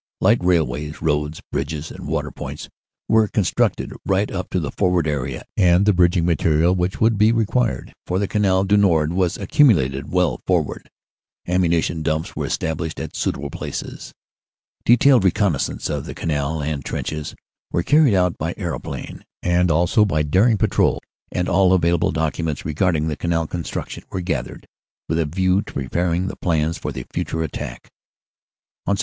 "Light railways, roads, bridges and water points were con structed right up to the forward area, and the bridging material which would be required for the Canal du Nord was accumulated well forward. Ammunition dumps were estab lished at suitable places. "Detailed reconnaissance of the Canal and trenches were carried out by aeroplane, and also by daring patrols, and all available documents regarding the Canal construction were gathered with a view to preparing the plans for the future attack. "On Sept.